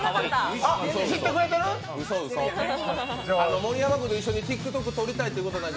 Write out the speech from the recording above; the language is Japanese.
盛山君と一緒にＴｉｋＴｏｋ撮りたいということなんで。